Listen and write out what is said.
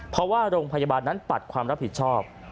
เพราะว่าโรงพยาบาลนั้นปัดความรับผิดชอบ